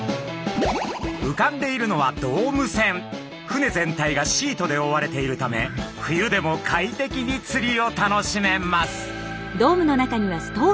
船全体がシートでおおわれているため冬でも快適に釣りを楽しめます。